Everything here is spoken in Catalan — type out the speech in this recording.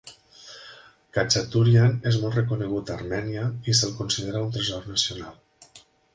Khachaturian és molt reconegut a Armènia i se'l considera un tresor nacional.